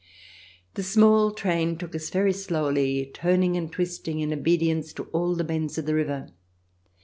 The small train took us very slowly, turning and twisting in obedience to all the bends of the river.